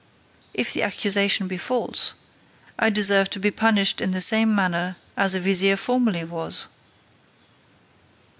If the accusation be false, I deserve to be punished in the same manner as a vizier formerly was."